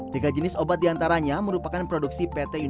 tiga jenis obat diantaranya merupakan produksi pt universal pharmaceuticals